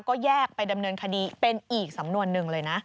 ก็แยกไปดำเนินคดีเป็นอีกสำนวนหนึ่งเลยนะ